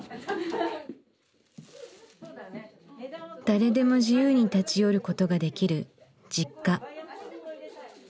誰でも自由に立ち寄ることができるＪｉｋｋａ。